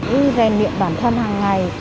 để rèn miệng bản thân hàng ngày